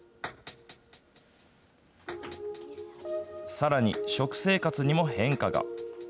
さらに食生活にも変化が。